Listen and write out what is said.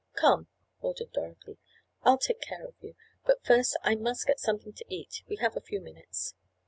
"Come," ordered Dorothy, "I'll take care of you. But first I must get something to eat. We have a few minutes."